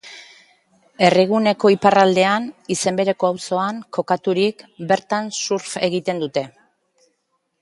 Herriguneko iparraldean, izen bereko auzoan, kokaturik, bertan surf egiten dute.